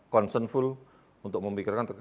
consentful untuk memikirkan